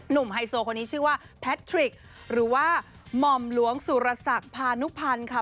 ไฮโซคนนี้ชื่อว่าแพทริกหรือว่าหม่อมหลวงสุรศักดิ์พานุพันธ์ค่ะ